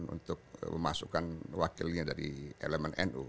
untuk memasukkan wakilnya dari elemen nu